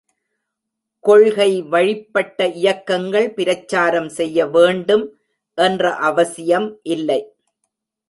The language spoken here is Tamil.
கொள்கை வழிப்பட்ட இயக்கங்கள், பிரச்சாரம் செய்யவேண்டும் என்ற அவசியம் இல்லை.